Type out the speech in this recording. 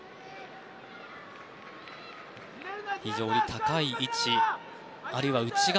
非常に高い位置あるいは内側。